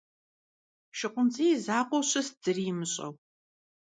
ШыкъумцӀий и закъуэу щыст зыри имыщӏэу.